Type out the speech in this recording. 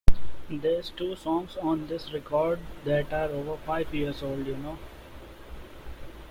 There's two songs on this record that are over five years old, you know?